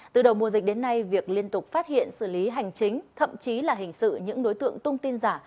từ đầu mùa dịch đến nay việc liên tục phát hiện xử lý hành chính thậm chí là hình sự những đối tượng tung tin giả